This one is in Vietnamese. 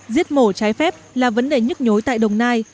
giết mổ trái phép là vấn đề nhức nhối tại đồng nai